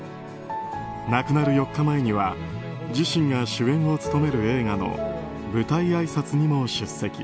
亡くなる４日前には自身が主演を務める映画の舞台挨拶にも出席。